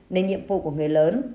nên nhiệm vụ của người lớn